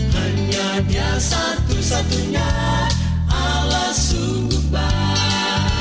hanya dia satu satunya allah sungguh baik